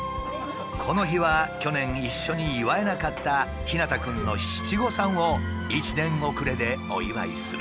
この日は去年一緒に祝えなかった太陽くんの七五三を１年遅れでお祝いする。